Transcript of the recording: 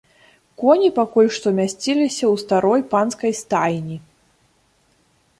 Коні пакуль што мясціліся ў старой панскай стайні.